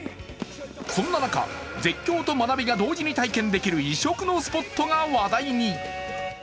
そんな中、絶叫と学びが同時に体験できる異色のスポットが話題に。